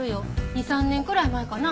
２３年くらい前かな？